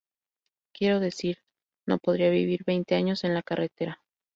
Quiero decir, no podría vivir veinte años en la carretera.